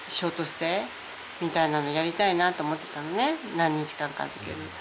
何日間か預ける。